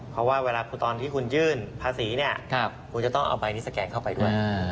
เพราะว่าเวลาตอนที่คุณยื่นภาษีเนี่ยคุณจะต้องเอาใบนี้สแกนเข้าไปด้วย